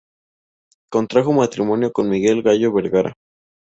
Contrajo matrimonio con Miguel Gallo Vergara.